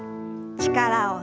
力を抜いて軽く。